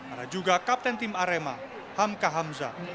ada juga kapten tim arema hamka hamzah